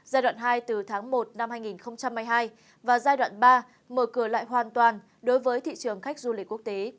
giai đoạn hai từ tháng một năm hai nghìn hai mươi hai và giai đoạn ba mở cửa lại hoàn toàn đối với thị trường khách du lịch quốc tế